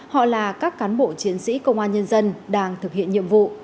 họ là các cán bộ chiến sĩ công an nhân dân đang thực hiện nhiệm vụ